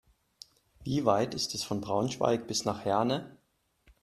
Wie weit ist es von Braunschweig bis nach Herne?